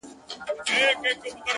• زه خو دا يم ژوندی يم؛